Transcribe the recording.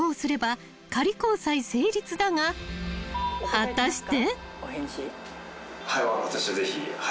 ［果たして］